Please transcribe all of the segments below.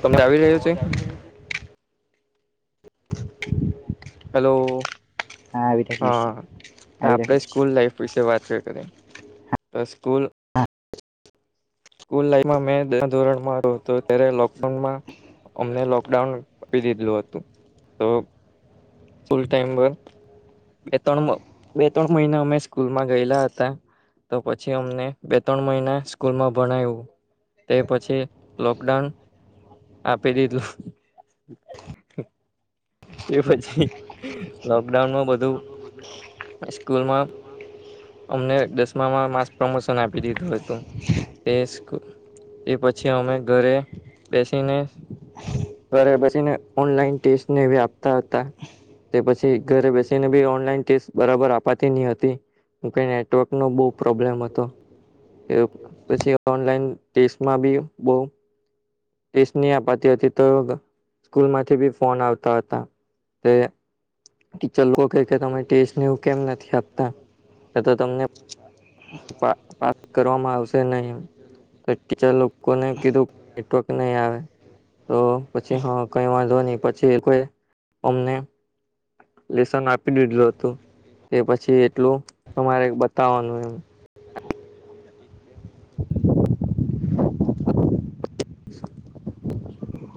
તમને આવી તો રહ્યો છે? અવાજ [unintelligible] હેલો, રહ્યો હા. છે? હા આવી રહ્યું છે આવી આપણે રહ્યું સ્કૂલ લાઈફ વિશે વાત કર કરે તો, સ્કૂલ સ્કૂલ લાઈફ માં, મેં છઠ્ઠા ધોરણ હતો ત્યારે લોકડાઉન માં અમને લોકડાઉન આપી દીધું હતું, તો ફૂલ ટાઈમ વ બે-ત્રણ, બે-ત્રણ મહિના અમે સ્કૂલમાં ગયેલા હતા. તો પછી અમને બે-ત્રણ મહિના સ્કૂલમાં ભણાવ્યું. તે પછી લોકડાઉન આપી દીધું. તે પછી લોકડાઉનમાં બધું. રામો બજનું સ્કૂલમાં શમાં અમને દસમામાં માસ પ્રમોશન આપી દીધું હતું. બેસ એ પછી અમે ઘરે બેસીને ઘરે બેસીને ઓનલાઈન ટેસ્ટને આપતા હતા, તે પછી ઘરે બેસીને. ઓનલાઈન ટેસ્ટ બરાબર અપાતી ન હતી, હું કે નેટવર્ક નો બહુ પ્રોબ્લેમ હતો. કે પછી ઓનલાઈન ટેસ્ટમાં બી બહુ. ટેસ્ટ ની અપાતી હતી, તો સ્કૂલમાંથી બી ફોન આવતા હતા તે. ટીચર લોકો કે, તમે ટેસ્ટને એવું કેમ નથી આપતા તો તમને? પા-પાસ કરવામાં આવશે નહી. ટીચર લોકોને કીધું નેટવર્ક નહી આવે. તો પછી હ કઈ વાંધો નહી પછી કોઈ અમને લેસન આપી દીધલું હતું તે પછી એટલું તમારે બતાવાનું એમ. [inaudible]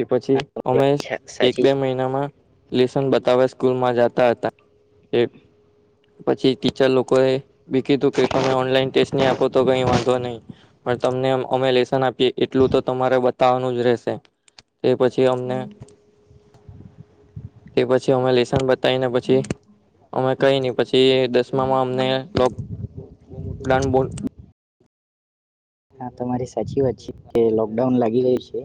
એ પછી અમે છે અચ્છા એક સાચી બે છે મહિનામાં લેસન બતાવવા સ્કૂલમાં જતા હતા. તે પછી ટીચર લોકો એ બી કીધું કે તમે ઓનલાઈન ટેસ્ટ નહી આપો તો કઈ વાંધો નહી. પણ તમને અમે લેેશન આપીએ એટલું તો તમારે બતાવવાનું જ રહેશે. તે પછી અમને તે પછી અમે લસન બતાવીને પછી અમે કઈ ન પછી દસમામાં અમને પ્લાન બોલ હા તમારી સાચી વાત છે કે લોકડાઉન લાગી રહ્યું છે.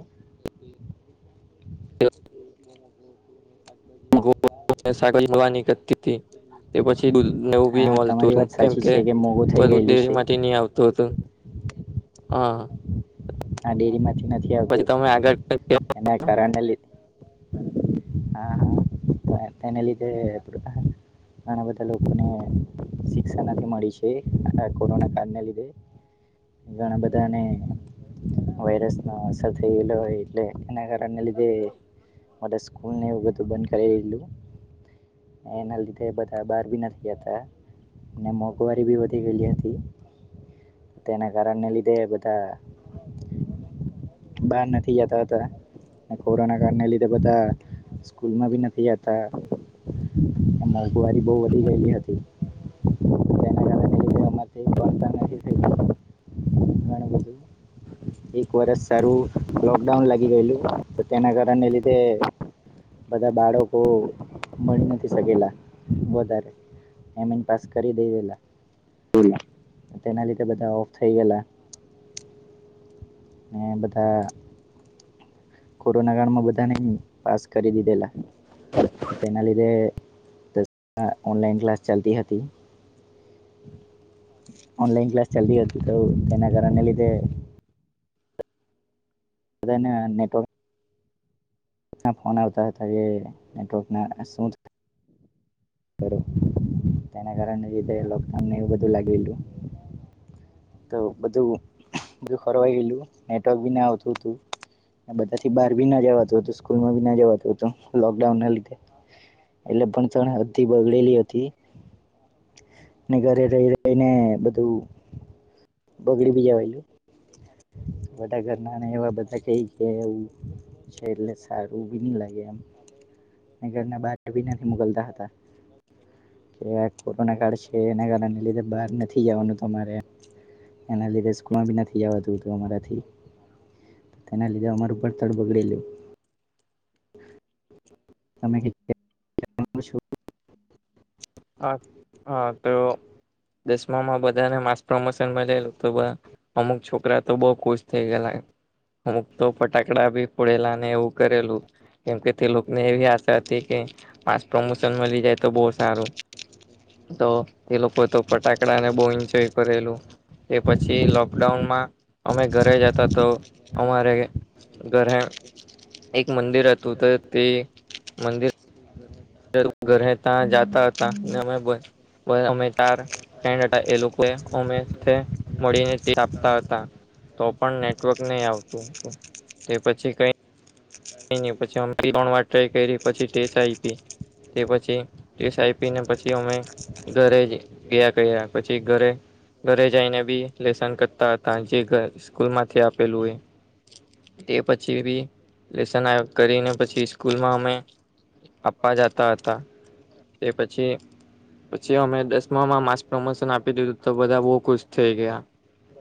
[unintelligible] કરતીથી તે પછી નેવું બી હા મળતું તમારી વાત હતું કેમ સાચી કે છે મોંઘું થઈ બધું ગયેલું છે ડેરીમાંથી ની આવતું હતું. હહ ના ડેરીમાંથી નથી આવતું હતું તમે આગળ એના કારણને લીધે હા હા તા તેને લીધે હા ઘણા બધા લોકોને શિક્ષા નથી મળી છે. આ કોરોના કાળને લીધે. ઘણા બધાંને વાયરસનો અસર થયેલો એટલે એના કારણને લીધે એટલે સ્કૂલને એવું બધું બંધ કરી રહેલું. એના લીધે બધા બાર બી નથી જતા. ને મોંઘવારી બી વધી ગયલી હતી. તેના કારણને લીધે બધા બાર નથી જતા હતા. ને કોરોના કાળને લીધે બધા સ્કૂલમાં બી નથી જતા. મોંઘવારી બહુ વધી ગયેલી હતી. [unintelligible] જાણે [unintelligible] એક વરષ સારું લોકડાઉન લાગી ગયેલું તો તેના કારણને લીધે બધાં બાળકો ભણી નથી શકેલા વધારે એમ જ પાસ કરી દઈ એલા. બોલા અને તેના લીધે બધાં ઓફ થઈ ગયેલા. ને બધાં કોરોના કાળમાં બધાને એમ પાસ કરી દીધેલા તો તેના લીધે ના ઓનલાઈન ક્લાસ ચાલતી હતી. ઓનલાઈન ક્લાસ ચાલતી હતી તો તેના કારણને લીધે બધાના ને નેટવર્ક ના ફોન આવતા હતા કે નેટવર્કના શું કરું તેના કારણને લીધે લોકડાઉનને એવું બધું લાગેલું. તો બધું બધું ફરવાઈ ગયેલું નેટવર્ક બી ના આવતું તું. ને બધાથી બાર બી ના જવાતું હતું. સ્કૂલમાં બી ના જવાતું હતું લોકડાઉનના લીધે. એટલે ભણતણ હદ તી બગડેલી હતી ને ઘરે રહી રહીને બધું બગડી [unintelligible] બધાં ઘરના અને એવા બધા કઈ કે એવું છે એટલે સારું બી ની લાગે એમ. એન ઘરના બાર ભી નથી મોકલતા હતા. કે આ કોરોના કાળ છે એના કારણને લીધે બાર નથી જવાનું તમારે એના લીધે સ્કૂલમાં બી નથી જવાતું હતું અમારાથી તો તેના લીધે અમારું ભણતર બગડેલું. તમે કીધુ તેમ હા પૂછું હા હા તો દસમામાં બધાને માસ પ્રમોશન મલેલું તો આ અમુક છોકરા તો બહુ ખુશ થઇ ગયેલા. અમુક તો ફટાકડા ભી ફોડેલાને એવું કરેલું. કેમ કે તે લોકને એવી આશા હતી કે માસ પ્રમોશન મલી જાય તો બહુ સારું. તો તે લોકો તો ફટાકડા ને બહું ઈન્જોય કરેલું. એ પછી લોકડાઉનમાં અમે ઘરે જતા તો અમારે ઘરે એક મંદિર હતું તો તે મંદિર [inaudible] તો ઘરે તા જાતા હતા અને અમે પન અમે ચાર જ્યાં હતા એ લોકો એ અમે તે મળીને આપતા હતા. તો પણ નેટવર્ક નહી આવતું હતું તે પછી કઈ ઈ પછી અમે ત્રણ વાર ટ્રાય કરી પછી ટેસ્ટ આપી તે પછી એસ આઈ પીને પછી અમે ઘરે જ ગયા કયા પછી ઘરે ઘરે જઈને બી લેસન કરતા હતા જે સ્કૂલ માંથી આપેલું હોય એ પછી બી લેસન આ કરીને પછી સ્કૂલમાં અમે આપવા જતા હતા તે પછી પછી અમે દસમામાં માસ પ્રમોશન આપી દીધું તો બધા બહુ ખુશ થઈ ગયા.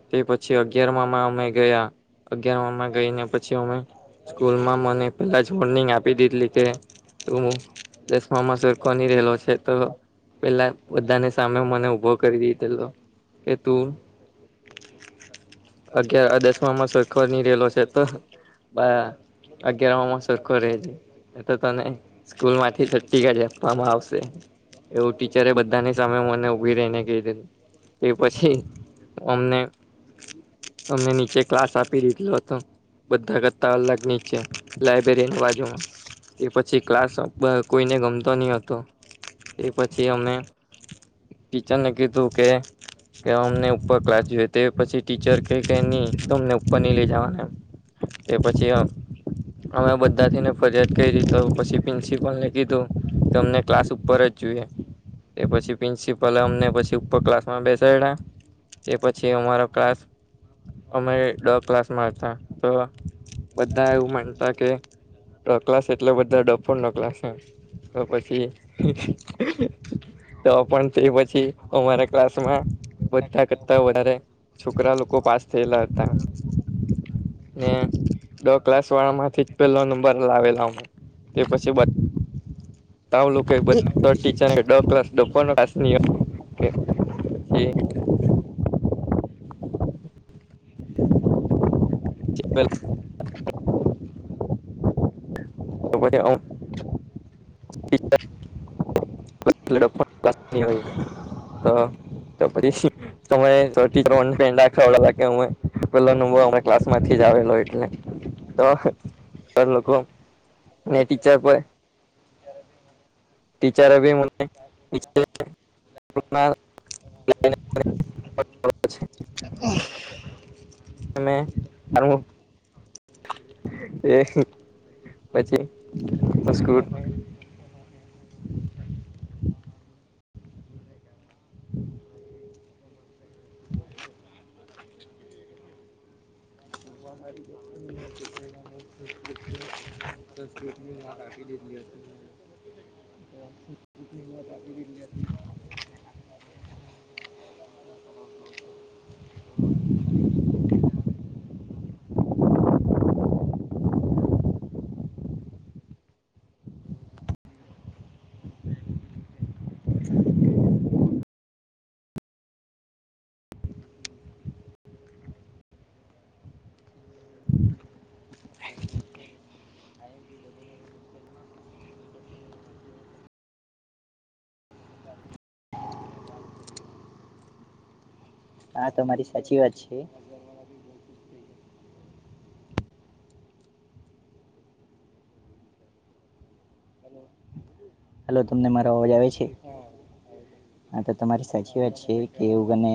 તે પછી અગિયાર માં અમે ગયા અગિયારમાં ગઈ ને પછી અમે. સ્કૂલમાં મને પેલા જ વોર્નિંગ આપી દીધેલી કે તું દસમા માં સર ભણી રહેલો છે તો પેલા બધાની સામે મને ઉભો કરી દીધેલો કે તું [unintelligible] અગિયાર આ દસમાંમાં સરખ ની રહેલો છે તો અગિયારમાં સરખો રહે છે એ તો તને સ્કૂલમાંથી સર્ટિ કાઢી આપવામાં આવશે. એવું ટીચરે બધાની સામે મને ઉભી રહીને કહી દીધું એ પછી અમને અમને નીચે ક્લાસ આપી દીધેલો હતો. બધા કતાલાક નીચે લાયબ્રેરીની બાજુમાં તે પછી ક્લાસ કોઈને ગમતો નહી હતો તે પછી અમે ટીચરને કીધું કે કે અમને ઉપર ક્લાસ જોઈએ તે પછી ટીચર કે કે નહી તો અમને ઉપર નઈ લઈ જવાના એમ એ પછી અ અમે બધા થીને ફરિયાદ કરી તો પછી પ્રિન્સિપલને કીધું અમને ક્લાસ ઉપર જ જોઈએ. તે પછી પ્રિન્સિપલ અમને પછી ઉપર ક્લાસ માં બેસાયડા એ પછી અમારો ક્લાસ અમે દ ક્લાસમાં હતા તો- બધા એવું માનતા કે દ ક્લાસ એટલે બધા ડફોર નો ક્લાસ એમ તો પછી [inaudible] તો પણ તે પછી અમારા ક્લાસમાં બધા કરતા વધારે છોકરા લોકો પાસ થયેલા હતા. ને દ ક્લાસ વાળા માંથી પેલો નંબર લાવેલો અમે તે પછી બ તા લોકોનું બધ ટીચરને ડ ક્લાસ દફોડનો ક્લાસ ની હોય [unintelligible] [unintelligible] તો [inaudible] તો પછી [unintelligible] તમારે ત્યાં પેંડા ખવડાવેલા કે પેલો ન હમણા ક્લાસમાંથી જ આવેલો એટલે તો લોકો ને ટીચર પર ટીચર અને [unintelligible] મેખ [unintelligible] એ પછી સંસ્કૃત તટ મા રાખી દીધલી હતી. [unintelligible] હા તમા મારી સાચી વાત છે. હલો તમને મારા અવાજ આવે છે. હા તો તમારી સાચી વાત છે કે એવું ગને.